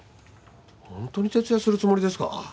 本当に徹夜するつもりですか？